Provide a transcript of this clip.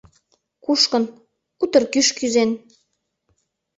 Кушкын, утыр кӱш кӱзен